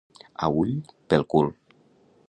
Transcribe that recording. A ull, pel cul.